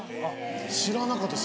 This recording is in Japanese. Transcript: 知らなかったです